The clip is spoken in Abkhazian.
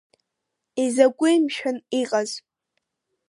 Изакәи, мшәан, иҟаз?!